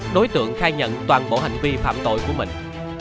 đối tượng khai nhận toàn bộ hành vi phạm tội của mình